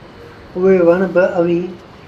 ائيٚݩ وڻ با اوهيݩ۔